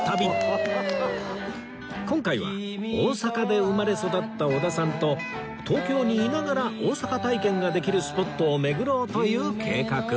今回は大阪で生まれ育った織田さんと東京にいながら大阪体験ができるスポットを巡ろうという計画